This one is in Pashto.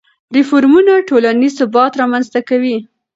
ریفورمونه ټولنیز ثبات رامنځته کوي.